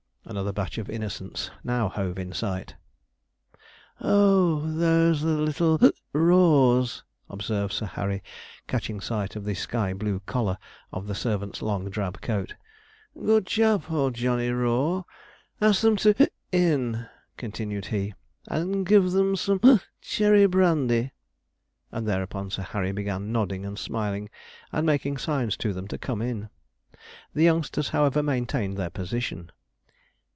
Another batch of innocence now hove in sight. 'Oh, those are the little Raws,' observed Sir Harry, catching sight of the sky blue collar of the servant's long drab coat. 'Good chap, old Johnny Raw; ask them to in,' continued he, 'and give them some cherry brandy'; and thereupon Sir Harry began nodding and smiling, and making signs to them to come in. The youngsters, however, maintained their position.